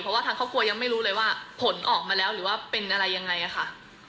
เพราะว่าทางครอบครัวยังไม่รู้เลยว่าผลออกมาแล้วหรือว่าเป็นอะไรยังไงค่ะ